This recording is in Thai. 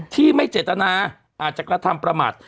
ที่ไม่เจตนาอาจจะกระทำประมาท